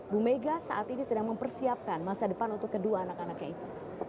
bu mega saat ini sedang mempersiapkan masa depan untuk kedua anak anaknya itu